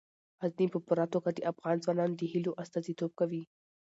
غزني په پوره توګه د افغان ځوانانو د هیلو استازیتوب کوي.